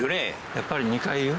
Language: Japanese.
やっぱり２回言う？